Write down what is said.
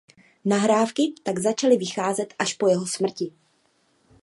Nahrávky tak začaly vycházet až po jeho smrti.